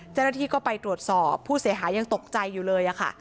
เจ้าหน้าที่ก็ไปตรวจสอบผู้เสียหายยังตกใจอยู่เลยค่ะ